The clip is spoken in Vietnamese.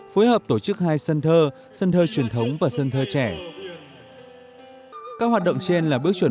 phối hợp tổ chức hai sân thơ sân thơ truyền thống và sân thơ trẻ các hoạt động trên là bước chuẩn